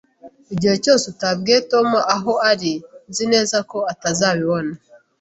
Igihe cyose utabwiye Tom aho ari, nzi neza ko atazabibona